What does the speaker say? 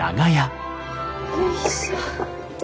よいしょ。